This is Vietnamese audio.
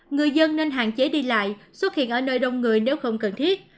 người dân nên hạn chế đi lại xuất hiện ở nơi đông người nếu không cần thiết